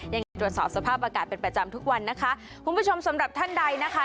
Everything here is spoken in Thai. ยังไงตรวจสอบสภาพอากาศเป็นประจำทุกวันนะคะคุณผู้ชมสำหรับท่านใดนะคะ